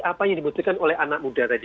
apa yang dibuktikan oleh anak muda tadi